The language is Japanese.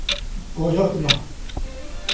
５００万！？